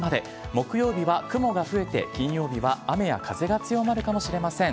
木曜日は雲が増えて、金曜日は雨や風が強まるかもしれません。